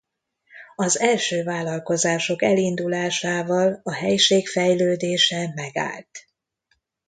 Az első vállalkozások elindulásával a helység fejlődése megállt.